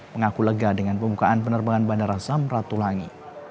mengaku lega dengan pembukaan penerbangan bandara samratulangi